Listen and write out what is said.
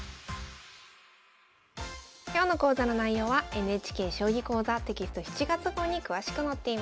今日の講座の内容はＮＨＫ「将棋講座」テキスト７月号に詳しく載っています。